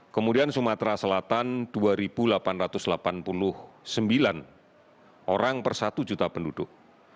kemudian sumatera selatan dua delapan ratus delapan puluh sembilan orang per satu juta penduduk